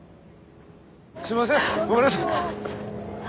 すいませんごめんなさい。